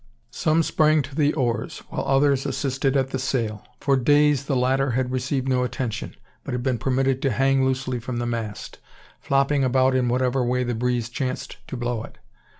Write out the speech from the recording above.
Some sprang to the oars, while others assisted at the sail. For days the latter had received no attention; but had been permitted to hang loosely from the mast, flopping about in whatever way the breeze chanced to blow it.